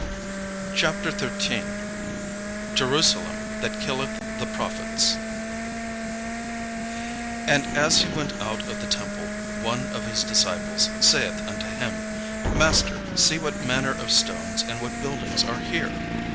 CHAPTER XIII JERUSALEM THAT KILLETH THE PROPHETS And as he went out of the temple, one of his disciples saith unto him, "Master, see what manner of stones and what buildings are here!"